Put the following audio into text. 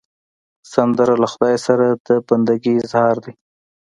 سندره له خدای سره د بندګي اظهار دی